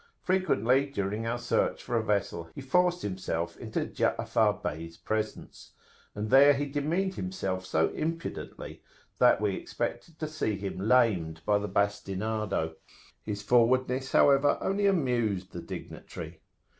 Frequently during our search for a vessel he forced himself into Ja'afar Bey's presence, and there he demeaned himself so impudently, that we expected to see him lamed by the bastinado; his forwardness, however, only amused the dignitary.